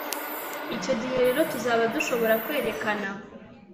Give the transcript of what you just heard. Icyo gihe rero tuzaba dushobora kwerekana